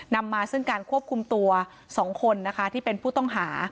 นำมาซึ่งการควบคุมตัว๒คนนะคะที่เป็นผู้ต้องหา